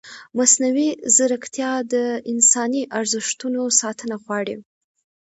مصنوعي ځیرکتیا د انساني ارزښتونو ساتنه غواړي.